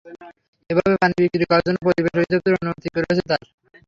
এভাবে পানি বিক্রি করার জন্য পরিবেশ অধিদপ্তরের অনুমতি রয়েছে তাঁর।